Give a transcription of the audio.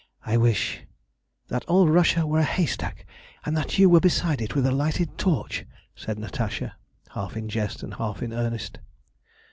I wish" "That all Russia were a haystack, and that you were beside it with a lighted torch," said Natasha, half in jest and half in earnest.